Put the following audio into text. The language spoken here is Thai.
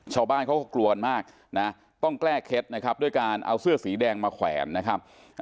ชาวบ้านเขาก็กลัวกันมากนะต้องแก้เคล็ดนะครับด้วยการเอาเสื้อสีแดงมาแขวนนะครับ